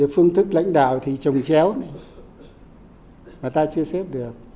phương thức lãnh đạo thì trồng chéo này mà ta chưa xếp được